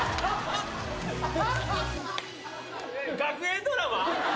学園ドラマ？